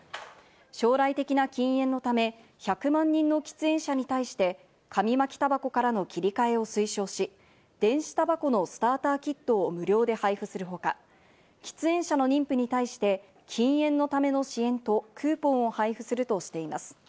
将来的な禁煙のため、１００万人の喫煙者に対して紙巻きたばこからの切り替えを推奨し、電子たばこのスターターキットを無料で配布するほか、喫煙者の妊婦に対して禁煙のための支援とクーポンを配布するとしています。